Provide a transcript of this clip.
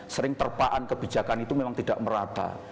sering terpaan kebijakan itu memang tidak merata